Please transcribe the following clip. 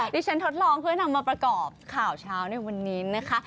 ที่ฉันทดลองเพื่อนำมาประกอบข่าวเช้าในวันนี้นะคะ